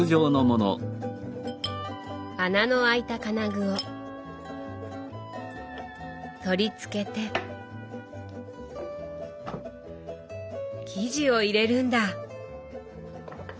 穴のあいた金具を取り付けて生地を入れるんだ！